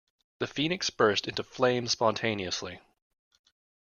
The phoenix burst into flames spontaneously.